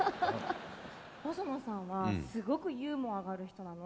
細野さんはすごくユーモアがある人なの。